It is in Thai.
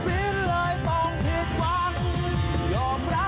ถึงอาจจะร้องร้องริเปล่า